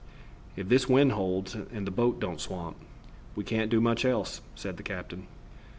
"If this wind holds and the boat don't swamp, we can't do much else," said the captain.